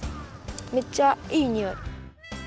めっちゃいいにおい。